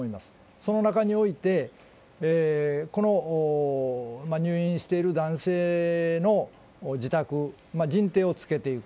その中において、この入院している男性の自宅、人定をつけていく。